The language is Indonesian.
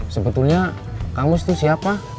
sebetulnya kang mus itu siapa